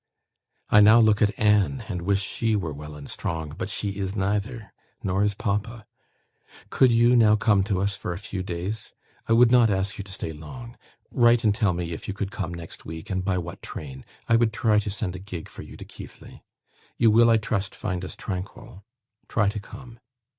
I now look at Anne, and wish she were well and strong; but she is neither; nor is papa. Could you now come to us for a few days? I would not ask you to stay long. Write and tell me if you could come next week, and by what train. I would try to send a gig for you to Keighley. You will, I trust, find us tranquil. Try to come.